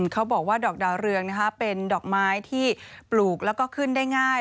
เขาบอกว่าดอกดาวเรืองเป็นดอกไม้ที่ปลูกแล้วก็ขึ้นได้ง่าย